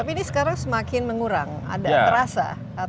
tapi ini sekarang semakin mengurang ada terasa